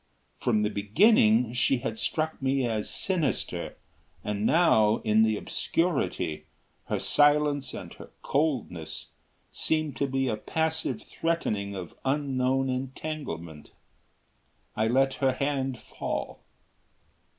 From the beginning she had struck me as sinister and now, in the obscurity, her silence and her coldness seemed to be a passive threatening of unknown entanglement. I let her hand fall.